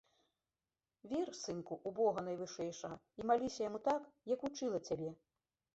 Вер, сынку, у бога найвышэйшага і маліся яму так, як вучыла цябе.